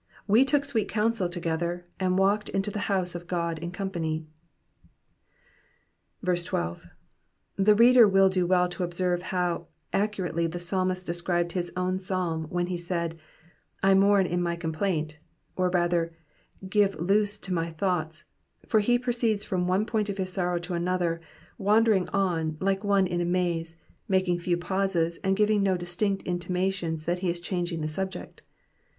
14 We took sweet counsel together, and walked unto the house of God in compaily. 12. The reader will do well to observe how accurately the psalmist described his own Psalm when he said, I mourn in my complaint," or rather *' give loose to my thoughts," for he proceeds from one poir^t of his sorrow to another, wandering on like one in a maze, making few pauses, and giving no distinct intimations that he is changing the subject.